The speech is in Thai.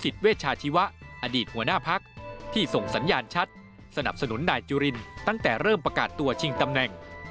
ที่ส่งสัญญาณชัดสนับสนุนนายจุรินตั้งแต่เริ่มประกาศตัวชิงตำแหน่ง